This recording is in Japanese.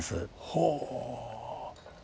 ほう。